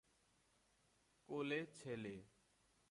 কোলে ছেলে।